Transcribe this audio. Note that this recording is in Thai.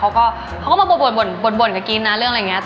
เขาก็มาบ่นกับกินนะเรื่องอะไรอย่างเงี้ย